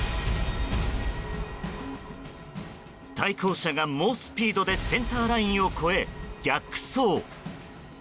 対向車が猛スピードでセンターラインを越え逆走。